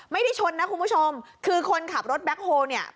ไม่ได้ชนนะคุณผู้ชมคือคนขับรถแบ็คโฮลเนี่ย